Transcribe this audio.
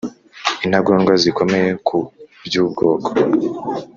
Intagondwa zikomeye ku by'ubwoko